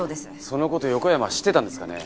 その事横山は知ってたんですかね？